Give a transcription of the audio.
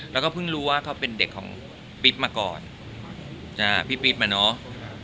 แล้วก็เพิ่งรู้ว่าเขาเป็นเด็กของปิ๊บมาก่อนพี่ปิ๊บอ่ะเนาะ